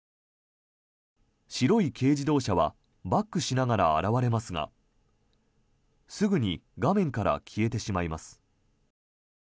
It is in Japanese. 白い軽自動車はバックしながら現れますがすぐに画面から消えてしまいます。